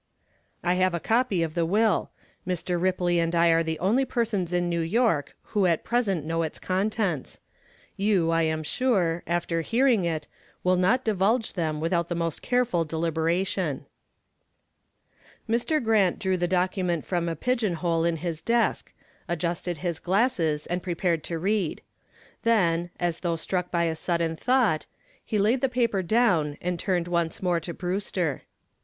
"I have a copy of the will. Mr. Ripley and I are the only persons in New York who at present know its contents. You, I am sure, after hearing it, will not divulge them without the most careful deliberation." Mr. Grant drew the document from a pigeon hole in his desk, adjusted his glasses and prepared to read. Then, as though struck by a sudden thought, he laid the paper down and turned once more to Brewster.